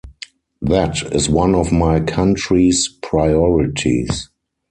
That is one of my country's priorities.